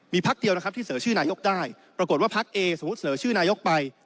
พักเดียวนะครับที่เสนอชื่อนายกได้ปรากฏว่าพักเอสมมุติเสนอชื่อนายกไป